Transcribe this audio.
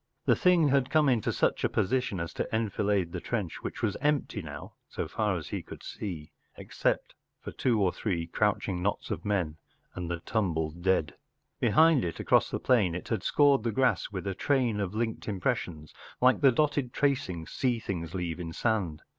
The thing had come into such a position as to enfilade the trench, which was empty now, so far as he could see, except for two or three crouching knots of men and the tumbled looking dead. Behind it, across the plain, it had scored the grass with a train of linked impressions, like the dotted tracings sea things leave in sand.